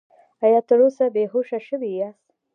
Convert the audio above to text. ایا تر اوسه بې هوښه شوي یاست؟